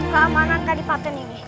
keamanan kali patent ini